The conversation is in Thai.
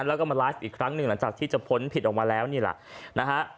แล้วก็มาไลฟ์อีกครั้งหนึ่งหลังจากที่จะพ้นผิดออกมาแล้วนี่แหละนะฮะ